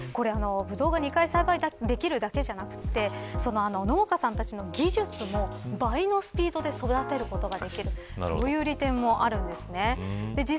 ２回取れるだけではなくて農家さんたちの技術も倍のスピードで育てることができるという利点もあるんですね。